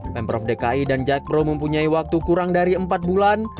pemprov dki dan jakpro mempunyai waktu kurang dari empat bulan